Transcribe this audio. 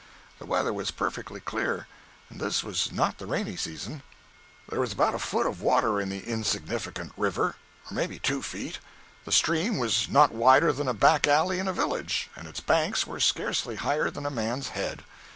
The weather was perfectly clear, and this was not the rainy season. There was about a foot of water in the insignificant river—or maybe two feet; the stream was not wider than a back alley in a village, and its banks were scarcely higher than a man's head.